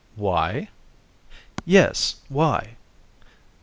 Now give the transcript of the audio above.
"Why?" "Yes, why?"